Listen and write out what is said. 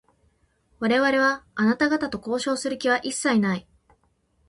我々は、あなた方と交渉をする気は一切ない。